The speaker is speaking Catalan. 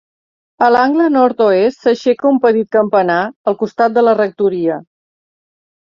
A l'angle Nord-oest s'aixeca un petit campanar, al costat de la rectoria.